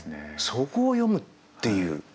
そこを詠むっていう。